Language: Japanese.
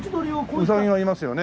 ウサギがいますよね。